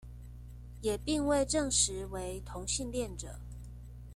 也並未證實為同性戀者